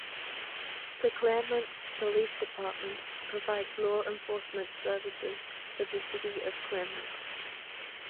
The Claremont Police Department provides law enforcement services for the city of Claremont.